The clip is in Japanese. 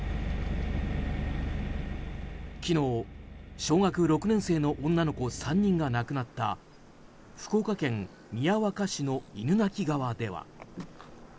昨日、小学６年生の女の子３人が亡くなった福岡県宮若市の犬鳴川では。